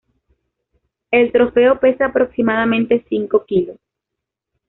El trofeo pesa aproximadamente cinco kilos.